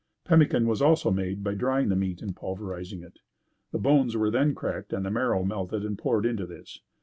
Pemmican was also made by drying the meat and pulverizing it. The bones were then cracked and the marrow melted and poured into this.